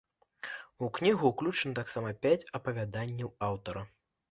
У кнігу ўключана таксама пяць апавяданняў аўтара.